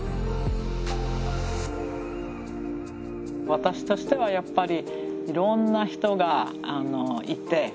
私としてはやっぱりいろんな人がいて。